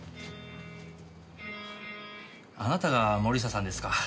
あなたが森下さんですか。